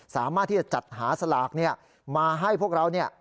สามารถที่จะจัดหาสลากเนี่ยมาให้พวกเราเนี่ย